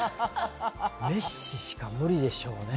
メッシしか無理でしょうね。